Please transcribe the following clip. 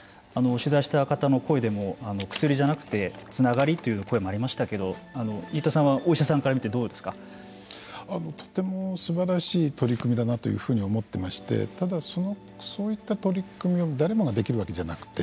取材した方の声でも薬じゃなくてつながりという声もありましたけれども新田さんは、お医者さんからみてとてもすばらしい取り組みだなというふうに思っていましてただ、そういった取り組みを誰もができるわけじゃなくて。